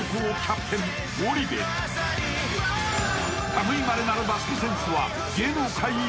［類いまれなるバスケセンスは芸能界一］